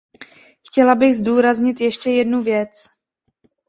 Chtěla bych zdůraznit ještě jednu věc.